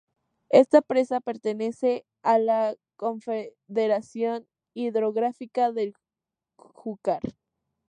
Esta presa pertenece a la Confederación Hidrográfica del Júcar.